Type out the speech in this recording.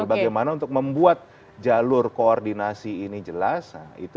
bagaimana untuk membuat jalur koordinasi ini jelas